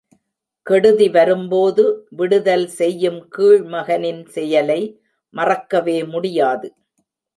கெடுதி வரும்போது விடுதல் செய்யும் கீழ்மகனின் செயலை மறக்கவே முடியாது.